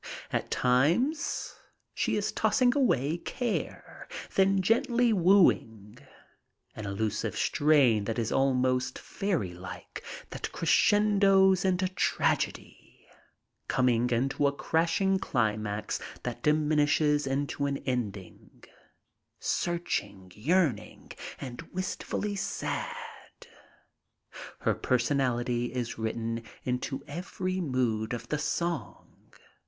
At times she is tossing away care, then gently wooing, an elusive strain that is almost fairylike, that crescendos into tragedy, going into a crashing climax that diminishes into an ending, searching, yearning and wistfully sad. Her personality is written into every mood of the song.